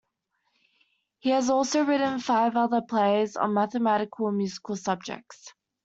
He has also written five other plays, on mathematical and musical subjects.